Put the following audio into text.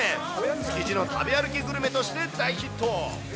築地の食べ歩きグルメとして大ヒット。